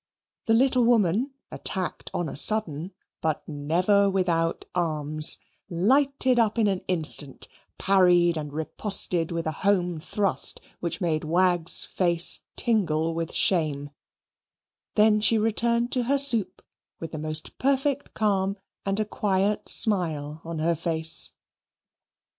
The little woman, attacked on a sudden, but never without arms, lighted up in an instant, parried and riposted with a home thrust, which made Wagg's face tingle with shame; then she returned to her soup with the most perfect calm and a quiet smile on her face.